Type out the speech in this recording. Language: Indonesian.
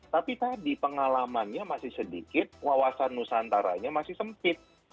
tapi tadi pengalamannya masih sedikit wawasan nusantaranya masih sempit